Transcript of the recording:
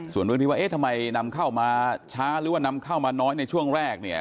ส่วนเรื่องที่ว่าทำไมนำเข้ามาช้าหรือนำเข้ามาน้อยในช่วงแรก